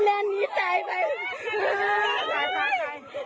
มันมาลูก